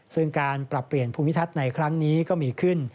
ซึ่งการปรับเปลี่ยนภูมิทัศน์ในครั้งนี้ก็มีขึ้น